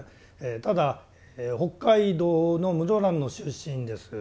ただ北海道の室蘭の出身です。